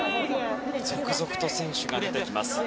続々と選手が出てきます。